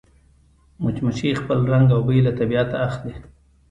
مچمچۍ خپل رنګ او بوی له طبیعته اخلي